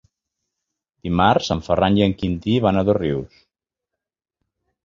Dimarts en Ferran i en Quintí van a Dosrius.